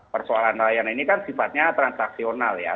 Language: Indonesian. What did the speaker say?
persoalan layanan ini kan sifatnya transaksional ya